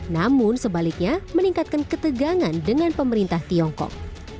namun sebaliknya meningkatkan ketegangan dengan pemerintah tiongkok